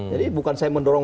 jadi bukan saya mendorong